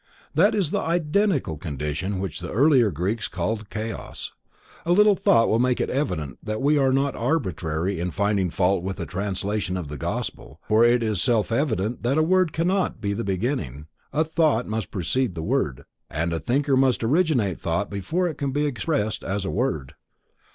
That is the identical condition which the earlier Greeks called Chaos. A little thought will make it evident that we are not arbitrary in finding fault with the translation of the gospel, for it is self evident that a word cannot be the beginning, a thought must precede the word, and a thinker must originate thought before it can be expressed as a word.